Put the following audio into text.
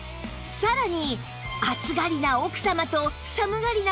さらに